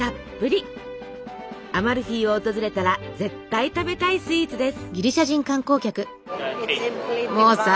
アマルフィを訪れたら絶対食べたいスイーツです。